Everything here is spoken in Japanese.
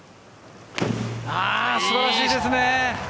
素晴らしいですね。